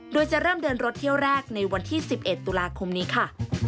โดยจะเริ่มเดินรถเที่ยวแรกในวันที่๑๑ตุลาคมนี้ค่ะ